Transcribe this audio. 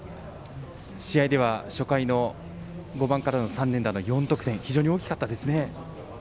試合では初回の５番からの３連打での４得点、非常に大きかったですね。